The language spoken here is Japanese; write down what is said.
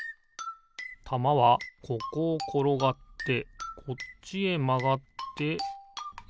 たまはここをころがってこっちへまがってえ？